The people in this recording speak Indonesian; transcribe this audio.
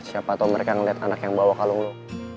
siapa tau mereka ngeliat anak yang bawa kalung lu